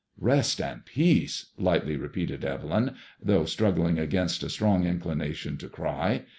"Rest and peace!" lightly repeated Evelyn, though strug gling against a strong inclination to cry.